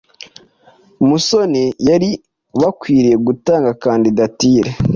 "musoni yari bakwiye gutanga kandidatire